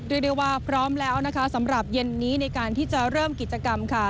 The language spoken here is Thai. เรียกได้ว่าพร้อมแล้วนะคะสำหรับเย็นนี้ในการที่จะเริ่มกิจกรรมค่ะ